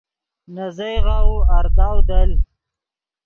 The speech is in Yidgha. نے زیغ غاؤو ارداؤ دل